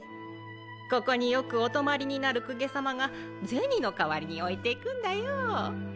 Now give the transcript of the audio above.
ここによくお泊まりになる公家さまが銭の代わりに置いていくんだよぉ。